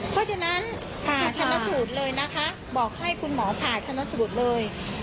เพราะฉะนั้นผ่าชนะสูตรเลยนะคะบอกให้คุณหมอผ่าชนะสูตรเลย